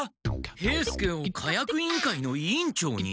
兵助を火薬委員会の委員長に？